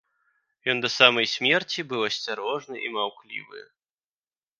Ён да самай смерці быў асцярожны і маўклівы.